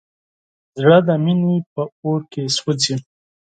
زړه د مینې په اور کې سوځي.